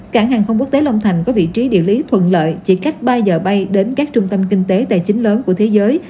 cảng hàng không quốc tế long thành có vị trí địa lý thuận lợi chỉ cách ba giờ bay đến các trung tâm kinh tế tài chính lớn của thế giới